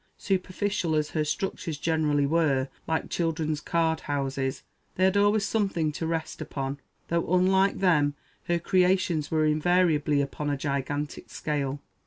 Superficial as her structures generally were, like children's card houses, they had always something to rest upon; though (unlike them) her creations were invariably upon a gigantic scale.